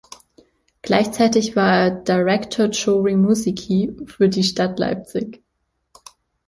Gleichzeitig war er "Director chori musici" für die Stadt Leipzig.